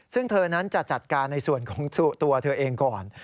ซึ่งเธอนั้นจะจัดการในส่วนของตัวเธอเองก่อน